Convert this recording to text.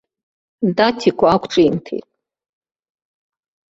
Даҭикәа ақәҿимҭит.